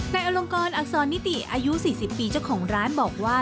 อลงกรอักษรนิติอายุ๔๐ปีเจ้าของร้านบอกว่า